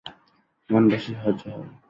মন বসতে সাহায্য হবে।